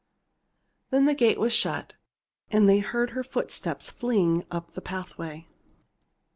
Then the gate was shut, and they heard her footsteps fleeing up the pathway.